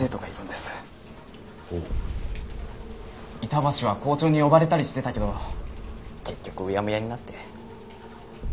板橋は校長に呼ばれたりしてたけど結局うやむやになって。